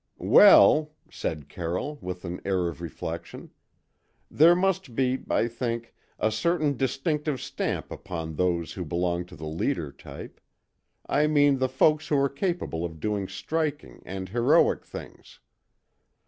"Well," said Carroll, with an air of reflection, "there must be, I think, a certain distinctive stamp upon those who belong to the leader type; I mean the folks who are capable of doing striking and heroic things.